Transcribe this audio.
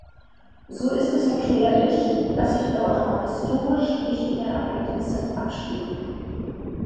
So ist es erklärlich, dass sich dort auch historisch wichtige Ereignisse abspielten.